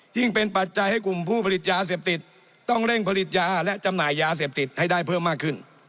ยิ่งเป็นปัจจัยให้กลุ่มผู้ผลิตยาเสพติดต้องเร่งผลิตยาและจำหน่ายยาเสพติดให้ได้เพิ่มมากขึ้น